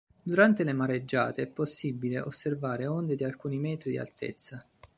Durante le mareggiate è possibile osservare onde di alcuni metri di altezza.